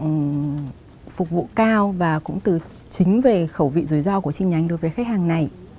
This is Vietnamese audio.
dịch phục vụ cao và cũng từ chính về khẩu vị rủi ro của chi nhánh đối với khách hàng này